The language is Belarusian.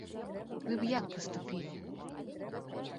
Вы б як паступілі?